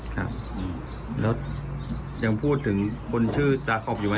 ครับแล้วยังพูดถึงคนชื่อจาคอปอยู่ไหม